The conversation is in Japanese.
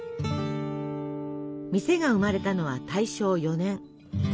店が生まれたのは大正４年。